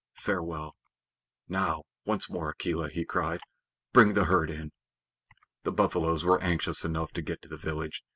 Farewell!" "Now, once more, Akela," he cried. "Bring the herd in." The buffaloes were anxious enough to get to the village.